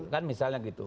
kan misalnya gitu